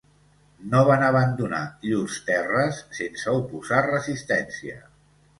No van abandonar llurs terres sense oposar resistència.